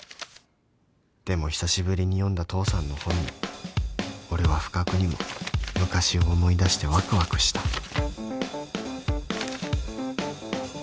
［でも久しぶりに読んだ父さんの本に俺は不覚にも昔を思い出してわくわくした］